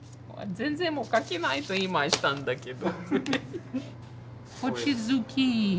全然書けないと言いましたんだけど。